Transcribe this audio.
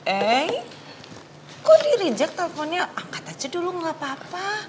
eee kok dirijek telfonnya angkat aja dulu gak apa apa